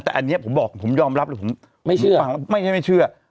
แต่อันนี้ผมบอกผมยอมรับเลยผมไม่เชื่อฟังไม่ใช่ไม่เชื่อ